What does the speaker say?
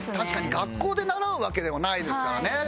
確かに学校で習うわけではないですからね。